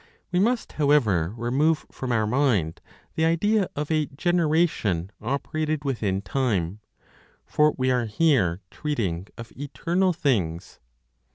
We must, however, remove from our mind the idea of a generation operated within time, for we are here treating of eternal things.